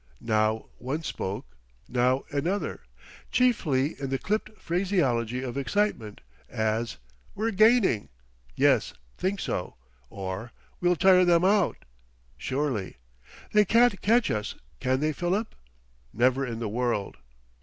Now one spoke, now another chiefly in the clipped phraseology, of excitement. As "We're gaining?" "Yes think so." Or, "We'll tire them out?" "Sure ly." "They can't catch us, can they, Philip?" "Never in the world."